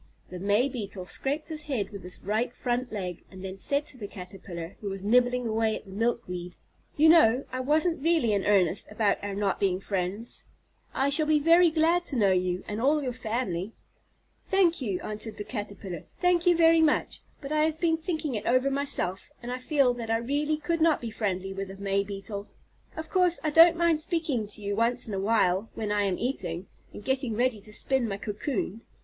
The May Beetle scraped his head with his right front leg, and then said to the Caterpillar, who was nibbling away at the milkweed: "You know, I wasn't really in earnest about our not being friends. I shall be very glad to know you, and all your family." "Thank you," answered the Caterpillar, "thank you very much, but I have been thinking it over myself, and I feel that I really could not be friendly with a May Beetle. Of course, I don't mind speaking to you once in a while, when I am eating, and getting ready to spin my cocoon.